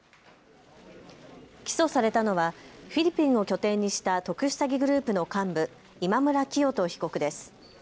起訴されたのはフィリピンを拠点にした特殊詐欺グループの幹部、今村磨人被告です。